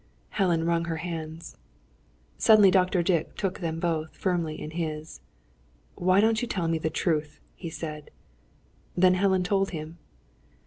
Helen wrung her hands. Suddenly Dr. Dick took them both, firmly in his. "Why don't you tell me the truth?" he said. Then Helen told him.